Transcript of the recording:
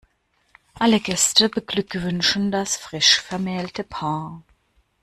Alle Gäste beglückwünschen das frisch vermählte Paar.